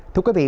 thưa quý vị